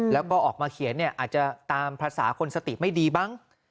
แล้วก็ออกมาเขียนเนี่ยอาจจะตามภาษาคนสติไม่ดีมั้ง